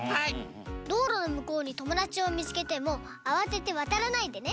どうろのむこうにともだちをみつけてもあわててわたらないでね。